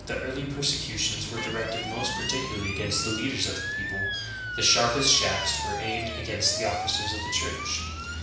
the early persecutions were directed most particularly against the leaders of the people; the sharpest shafts were aimed against the officers of the Church.